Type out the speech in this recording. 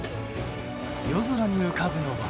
夜空に浮かぶのは。